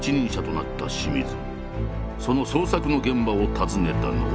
その創作の現場を訪ねたのは。